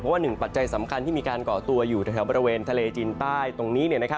เพราะว่า๑ปัจจัยสำคัญที่มีการก่อตัวอยู่ทางบริเวณทะเลจีนใบนี้